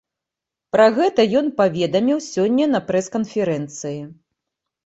Пра гэта ён паведаміў сёння на прэс-канферэнцыі.